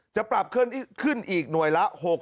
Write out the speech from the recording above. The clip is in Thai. จะปรับขึ้นอีกหน่วยละ๖๐